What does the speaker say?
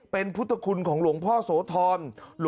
เป็นพุทธคุณของหลวงพ่อโสธร